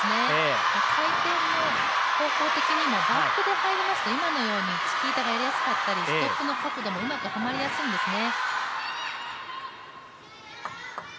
回転の方向的にもバックで入りますと今のようにチキータがやりやすかったりステップの角度もうまくはまりやすいんですね。